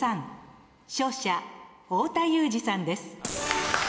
勝者太田裕二さんです。